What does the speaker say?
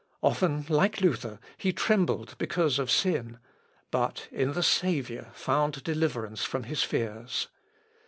Often, like Luther, he trembled because of sin; but in the Saviour found deliverance from his fears.